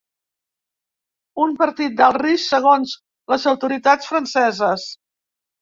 Un partit d’alt risc, segons les autoritats franceses.